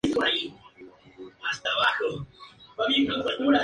La presa es del tipo de gravedad, construida en hormigón.